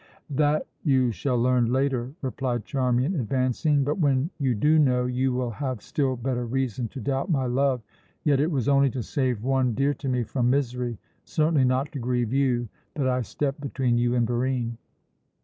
"That you shall learn later," replied Charmian advancing. "But when you do know, you will have still better reason to doubt my love; yet it was only to save one dear to me from misery, certainly not to grieve you, that I stepped between you and Barine.